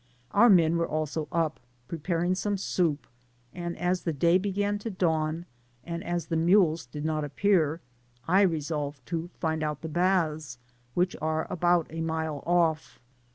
Our men vrere also up, preparing some soup; and as the day began to dawn, and the mules did not aj^pear, I resolved to find out the baths, which are about a mile off.